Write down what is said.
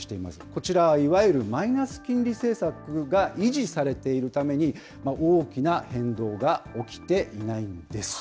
こちらはいわゆるマイナス金利政策が維持されているために、大きな変動が起きていないんです。